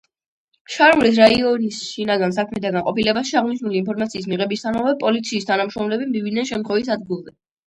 შარურის რაიონის შინაგან საქმეთა განყოფილებაში აღნიშნული ინფორმაციის მიღებისთანავე, პოლიციის თანამშრომლები მივიდნენ შემთხვევის ადგილზე.